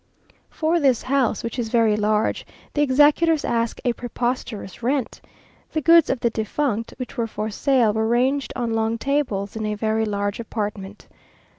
For this house, which is very large, the executors ask a preposterous rent. The goods of the defunct, which were for sale, were ranged on long tables in a very large apartment.